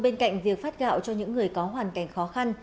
bên cạnh việc phát gạo cho những người có hoàn cảnh khó khăn